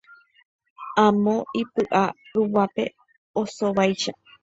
Amo ipyʼa ruguápe osóvaicha.